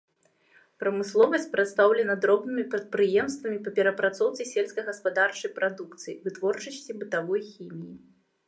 Прамысловасць прадстаўлена дробнымі прадпрыемствамі па перапрацоўцы сельскагаспадарчай прадукцыі, вытворчасці бытавой хіміі.